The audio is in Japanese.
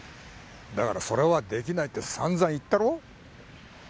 だからそれはできないってさんざん言ったろ